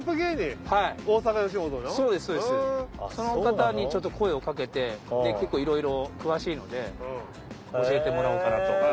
の方にちょっと声をかけて結構いろいろ詳しいのでえてもらおうかなと。